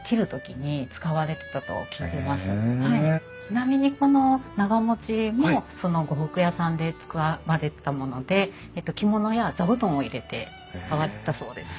あのちなみにこの長持ちもその呉服屋さんで使われてたもので着物や座布団を入れて使われてたそうです。